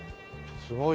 すごい。